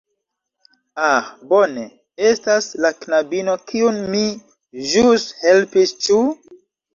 Ah, bone, estas la knabino kiun mi ĵus helpis, ĉu?